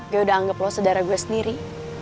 gue udah anggap lo saudara gue sendiri